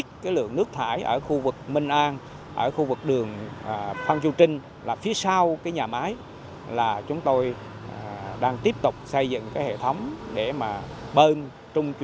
tương đương khoảng hai trăm hai mươi tám tỷ đồng